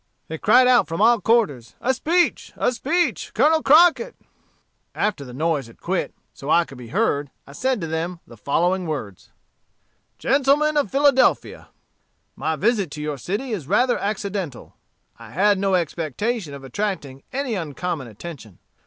They cried out from all quarters, 'A speech, a speech, Colonel Crockett.' "After the noise had quit, so I could be heard, I said to them the following words: "'GENTLEMEN OF PHILADELPHIA: "'My visit to your city is rather accidental. I had no expectation of attracting any uncommon attention.